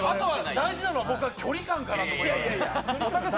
大事なのは距離感だと思います。